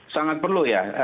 sangat perlu ya